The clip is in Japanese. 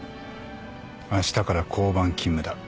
あしたから交番勤務だ。